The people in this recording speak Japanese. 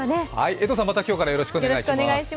江藤さん、また今日からよろしくお願いします。